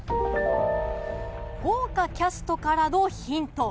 豪華キャストからのヒント。